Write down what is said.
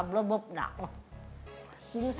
perjuangannya luar biasa